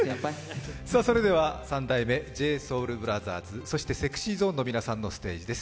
三代目ＪＳＯＵＬＢＲＯＴＨＥＲＳそしてＳｅｘｙＺｏｎｅの皆さんのステージです。